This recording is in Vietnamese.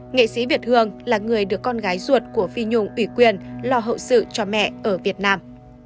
nghệ sĩ việt hương là người được con gái ruột của phi nhung ủy quyền lo hậu sự cho mẹ ở việt nam